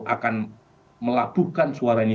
akan melabuhkan suaranya